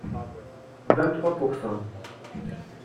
Vingt-trois pour cent.